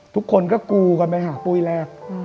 ทุกคนก็กูกันไปหาปุ้ยแรก